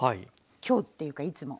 今日っていうかいつも。